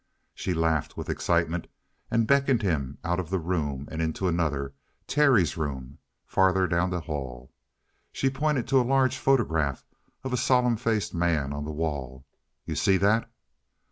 She laughed with excitement and beckoned him out of the room and into another Terry's room, farther down the hall. She pointed to a large photograph of a solemn faced man on the wall. "You see that?"